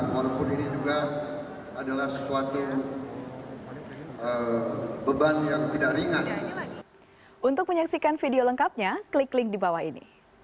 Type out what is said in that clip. walaupun ini juga adalah suatu beban yang tidak ringan